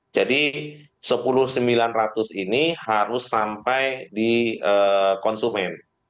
jadi rp sepuluh sembilan ratus ini harus sampai di konsumen